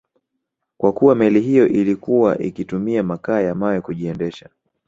Kwa kuwa meli hiyo ilikuwa ikitumia makaa ya mawe kujiendesha